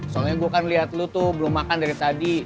soalnya gue kan lihat lu tuh belum makan dari tadi